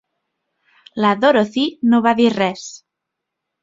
La Dorothy no va dir res.